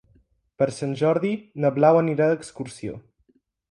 Per Sant Jordi na Blau anirà d'excursió.